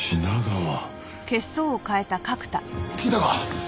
聞いたか？